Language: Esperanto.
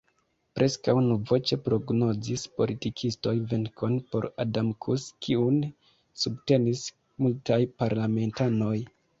Preskaŭ unuvoĉe prognozis politikistoj venkon por Adamkus, kiun subtenis multaj parlamentanoj.